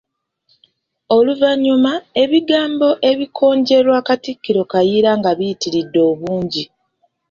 Oluvannyuma, ebigambo ebikonjerwa Katikkiro Kayiira nga biyitiridde obungi.